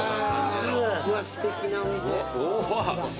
うわすてきなお店。